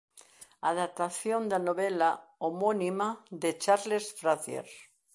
Adaptación da novela homónima de Charles Frazier.